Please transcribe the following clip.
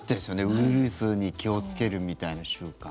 ウイルスに気をつけるみたいな習慣。